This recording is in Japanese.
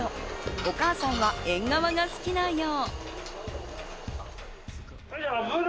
お母さんはえんがわが好きなよう。